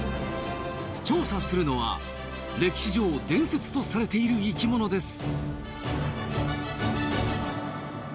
調査するのは歴史上伝説とされている生き物です。